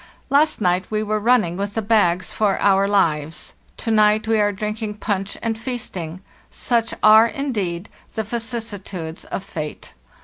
"Last night we were running with the bags for our lives; to night we are drinking punch and feasting: such are, indeed, the vicissitudes of fate.